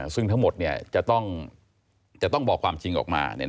ซึ่งทั้งหมดจะต้องบอกความจริงออกมา